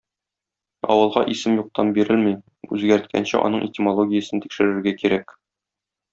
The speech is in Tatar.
Авылга исем юктан бирелми, үзгәрткәнче аның этимологиясен тикшерергә кирәк.